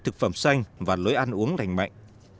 thực phẩm xanh và lối ăn uống lành mạnh